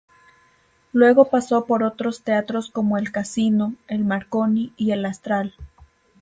Luego pasó por otros teatros como el Casino, el Marconi y el Astral.